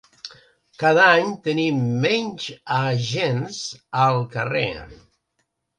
Cada any tenim menys agents al carrer.